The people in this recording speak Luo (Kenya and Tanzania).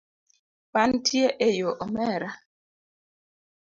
Wantie eyo omera.